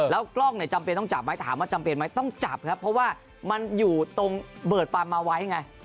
แล้วกล้องเนี่ยจำเป็นต้องจับไหมถามว่าจำเป็นไหมต้องจับครับเพราะว่ามันอยู่ตรงเบิดปั๊มมาไว้ไง